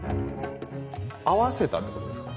合わせたってことですか？